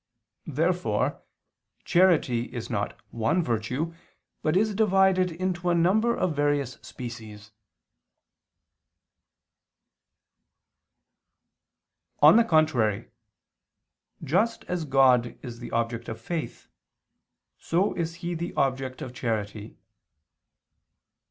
Therefore charity is not one virtue, but is divided into a number of various species. On the contrary, Just as God is the object of faith, so is He the object of charity.